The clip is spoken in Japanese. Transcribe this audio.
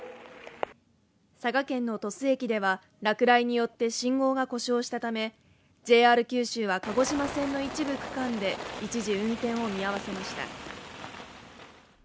佐賀県の鳥栖駅では落雷によって信号が故障したためＪＲ九州は、鹿児島線の一部区間で一時運転を見合わせました。